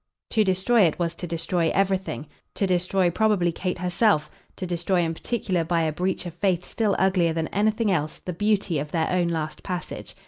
To destroy it was to destroy everything, to destroy probably Kate herself, to destroy in particular by a breach of faith still uglier than anything else the beauty of their own last passage.